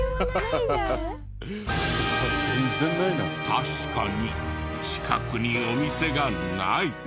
確かに近くにお店がない。